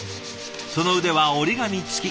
その腕は折り紙付き。